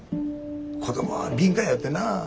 子供は敏感やよってな。